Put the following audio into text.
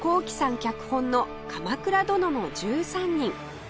脚本の『鎌倉殿の１３人』